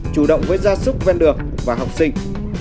chủ động với gia súc ven đường và học sinh